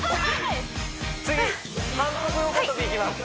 次反復横跳びいきます